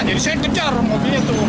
jadi saya kejar mobilnya tuh